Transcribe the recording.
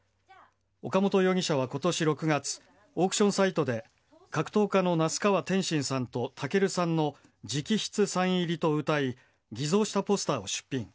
岡本容疑者はことし６月、オークションサイトで、格闘家の那須川天心さんの武尊さんの直筆サイン入りとうたい、偽造したポスターを出品。